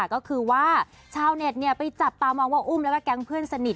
ก็คือว่าชาวเน็ตไปจับตามองว่าอุ้มแล้วก็แก๊งเพื่อนสนิท